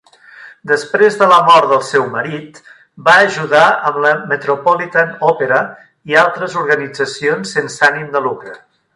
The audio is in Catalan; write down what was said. Després de la mort del seu marit va ajudar amb la Metropolitan Opera i altres organitzacions sense ànim de lucre.